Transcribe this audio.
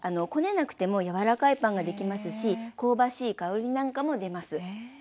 こねなくても柔らかいパンができますし香ばしい香りなんかも出ます。